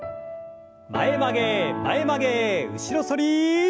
前曲げ前曲げ後ろ反り。